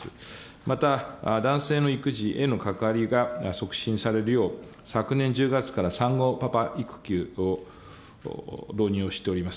また、男性の育児への関わりが促進されるよう、昨年１０月から産後パパ育休を導入をしております。